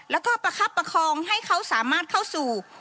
แล้วก็ประคับประคองให้เขาสามารถเข้าสู่